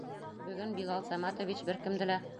Бөгөн Билал Саматович бер кемде лә...